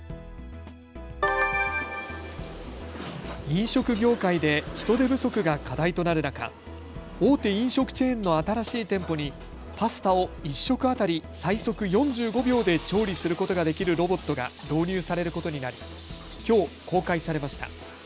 飲食業界で人手不足が課題となる中、大手飲食チェーンの新しい店舗にパスタを１食当たり最速４５秒で調理することができるロボットが導入されることになり、きょう公開されました。